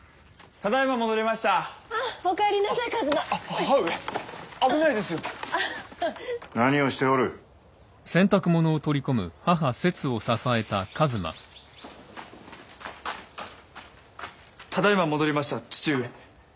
ただいま戻りました父上。